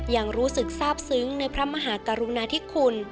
ยังรู้สึกทราบซึ้งในพระมหากรุณาธิคุณ